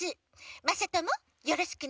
まさともよろしくね。